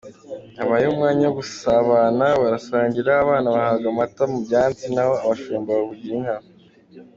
Habayeho umwanya wo gusabana, barasangira, abana bahabwa amata mu byansi naho abashumba bavugira inka.